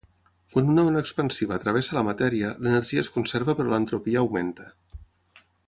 Quan una ona expansiva travessa la matèria, l'energia es conserva però l'entropia augmenta.